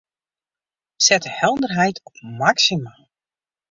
Set de helderheid op maksimaal.